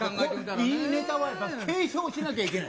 いいネタは継承しなきゃいけない。